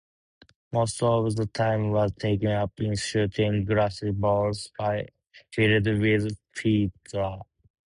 Most of the time was taken up in shooting glass balls, filled with feathers.